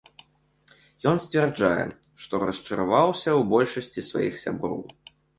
Ён сцвярджае, што расчараваўся ў большасці сваіх сяброў.